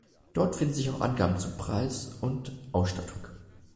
Dort finden sich auch Angaben zu Preis und Ausstattung.